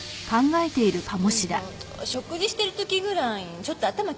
食事してる時ぐらいちょっと頭切り替えたら？